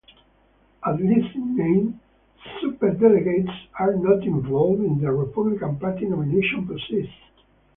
At least in name, superdelegates are not involved in the Republican Party nomination process.